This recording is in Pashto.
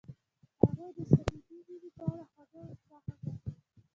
هغې د صمیمي مینه په اړه خوږه موسکا هم وکړه.